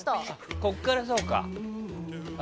ここからそうか。